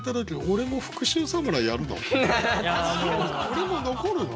俺も残るの？